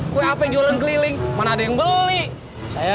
sepi banget ya